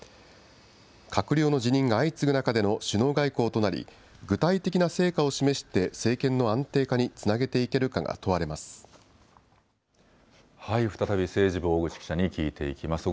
閣僚の辞任が相次ぐ中での首脳外交となり、具体的な成果を示して政権の安定化につなげていけるかが問われま再び政治部、小口記者に聞いていきます。